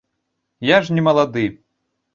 Я ж не малады!